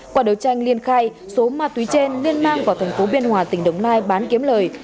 quả đấu tranh liên khai số ma túy trên liên mang vào thành phố biên hòa tỉnh đồng nai bán kiếm lời